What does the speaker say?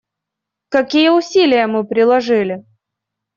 Какие усилия мы приложили?